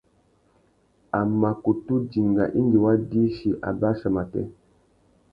A mà kutu dinga indi wa dïchî abachia matê.